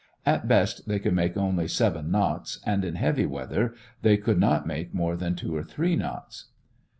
At best they could make only seven knots and in heavy weather they could not make more than two or three knots.